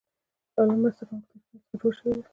دا له مرسته کوونکو تشکیلاتو څخه جوړه شوې ده.